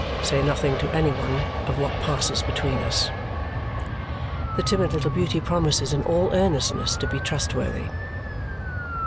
Say nothing to any one of what passes between us." The timid little beauty promises in all earnestness to be trustworthy.